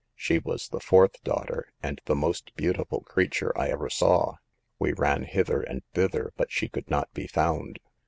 She was the fourth daughter, and the most beautiful crea ture I ever saw. We ran hither and thither, but she could not be found.